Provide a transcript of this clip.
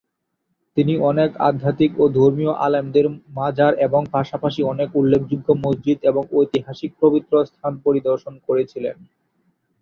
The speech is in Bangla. তিনি অনেক আধ্যাত্মিক ও ধর্মীয় আলেমদের মাজার এবং পাশাপাশি অনেক উল্লেখযোগ্য মসজিদ এবং ঐতিহাসিক পবিত্র স্থান পরিদর্শন করেছিলেন।